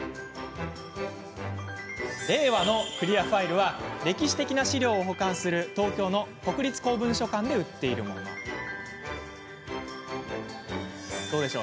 令和のクリアファイルは歴史的な資料を保管する東京の国立公文書館で売っているものです。